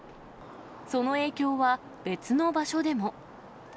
その影響は別の場所でも。